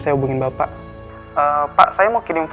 iya ya mungkin prator akan respiratory system nya